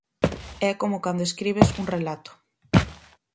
É como cando escribes un relato.